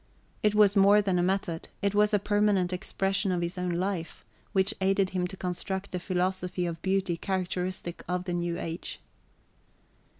It was more than a method: it was a permanent expression of his own life, which aided him to construct a philosophy of beauty characteristic of the new age.